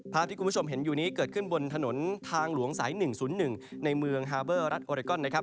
ภาพที่คุณผู้ชมเห็นอยู่นี้เกิดขึ้นบนถนนทางหลวงสาย๑๐๑ในเมืองฮาเบอร์รัฐโอเรกอนนะครับ